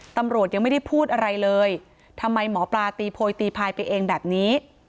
ตำรวจยังไม่ได้พูดอะไรเลยทำไมหมอปลาตีโพยตีพายไปเองแบบนี้